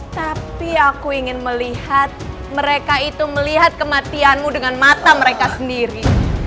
tapi aku ingin melihat mereka itu melihat kematianmu dengan mata mereka sendiri